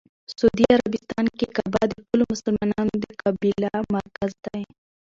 سعودي عربستان کې کعبه د ټولو مسلمانانو د قبله مرکز دی.